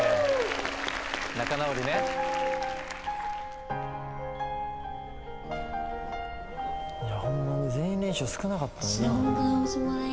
・仲直りねいやホンマに全員練習少なかったのにな